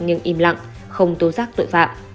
nhưng im lặng không tố giác tội phạm